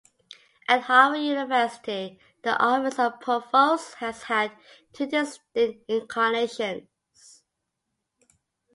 At Harvard University, the office of provost has had two distinct incarnations.